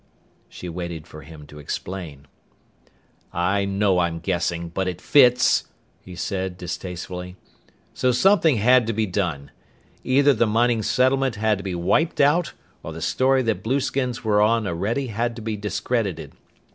She waited for him to explain. "I know I'm guessing, but it fits!" he said distastefully. "So something had to be done. Either the mining settlement had to be wiped out or the story that blueskins were on Orede had to be discredited.